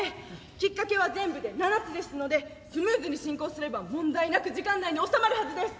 きっかけは全部で７つですのでスムーズに進行すれば問題なく時間内に収まるはずです。